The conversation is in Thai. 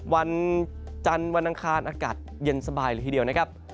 วันจันทร์วันอังคารอากาศเย็นสบายเลยทีเดียวนะครับ